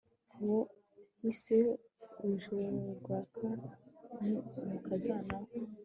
uwo yise rujerwaka ni umukazana we